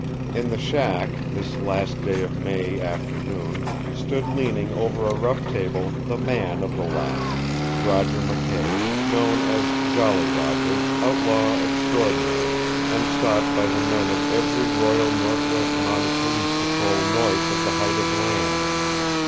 In the shack, this last day of May afternoon, stood leaning over a rough table the man of the laugh Roger McKay, known as Jolly Roger, outlaw extraordinary, and sought by the men of every Royal Northwest Mounted Police patrol north of the Height of Land.